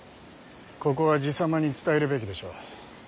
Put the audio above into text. ここは爺様に伝えるべきでしょう。